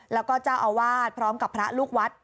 แล้วก็เจ้าอาวาสพร้อมกับพระลูกวัด